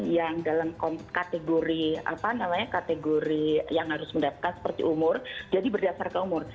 yang dalam kategori apa namanya kategori yang harus mendapatkan seperti umur jadi berdasarkan umur